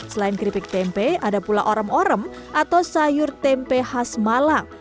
selain keripik tempe ada pula orem orem atau sayur tempe khas malang